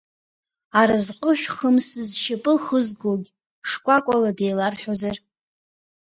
Аразҟы шәхымс зшьапы ахызгогь, шкәакәала деиларҳәозар.